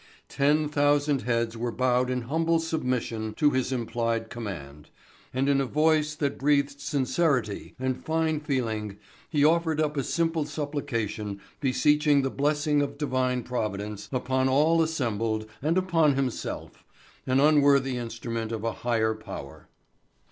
Ten thousand heads were bowed in humble submission to his implied command, and in a voice which breathed sincerity and fine feeling he offered up a simple supplication beseeching the blessing of Divine Providence upon all assembled and upon himself, an unworthy instrument of a higher Power.